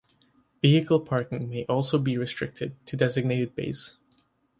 Vehicle parking may also be restricted to designated bays.